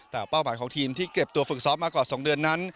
แต่เป้าหมายของทีมที่เก็บตัวฝึกซ้อมมากว่า๒เดือนนั้น